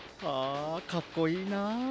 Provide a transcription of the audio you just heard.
あかっこいいな。